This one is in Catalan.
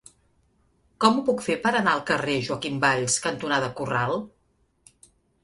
Com ho puc fer per anar al carrer Joaquim Valls cantonada Corral?